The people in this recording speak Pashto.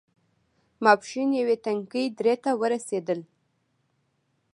ماسپښين يوې تنګې درې ته ورسېدل.